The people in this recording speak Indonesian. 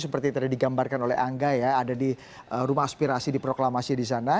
seperti tadi digambarkan oleh angga ya ada di rumah aspirasi di proklamasi di sana